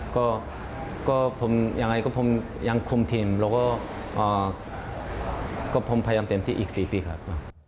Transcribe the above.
ก็ผมยังไงก็ผมยังคุมทีมแล้วก็ผมพยายามเต็มที่อีก๔ปีครับ